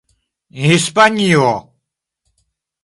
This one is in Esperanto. Hispanio